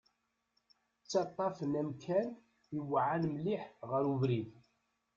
Ttaṭṭafen amkan iweɛɛan mliḥ ɣer ubrid.